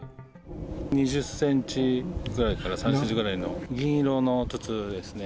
２０センチぐらいから３０センチぐらいの銀色の筒ですね。